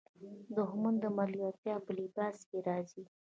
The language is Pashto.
دښمن د ملګرتیا په لباس کې راځي